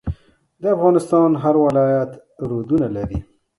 د افغانستان هر ولایت رودونه لري.